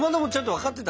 分かってた？